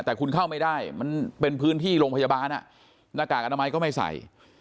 แต่คุณเข้าไม่ได้มันเป็นพื้นที่โรงพยาบาลหน้ากากอนามัยก็ไม่ใส่